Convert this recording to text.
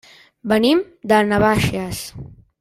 Venim de Navaixes.